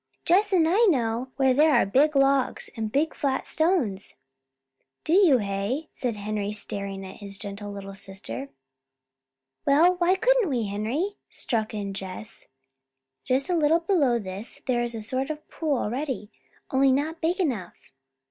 "Jess and I know where there are big logs, and big flat stones." "You do, hey?" said Henry staring at his gentle little sister. "Well, why couldn't we, Henry?" struck in Jess. "Just a little below this there is a sort of pool already, only not big enough."